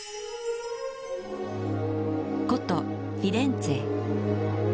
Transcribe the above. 古都フィレンツェ